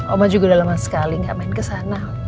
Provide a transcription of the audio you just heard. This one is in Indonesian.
oma juga udah lama sekali gak main ke sana